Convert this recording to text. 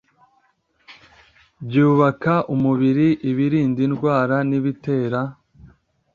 byubaka umubiri, ibirinda indwara n'ibitera